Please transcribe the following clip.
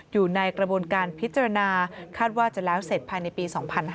อยู่ในกระบวนการพิจารณาคาดว่าจะแล้วเสร็จภายในปี๒๕๕๙